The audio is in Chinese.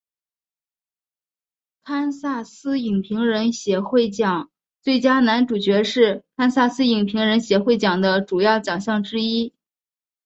堪萨斯影评人协会奖最佳男主角是堪萨斯影评人协会奖的主要奖项之一。